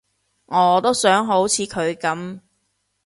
我都想好似佢噉